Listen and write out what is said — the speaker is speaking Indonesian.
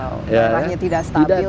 kalau daerahnya tidak stabil susah